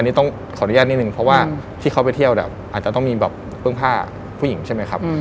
อันนี้ต้องขออนุญาตนิดนึงเพราะว่าที่เขาไปเที่ยวเนี่ยอาจจะต้องมีแบบเรื่องผ้าผู้หญิงใช่ไหมครับ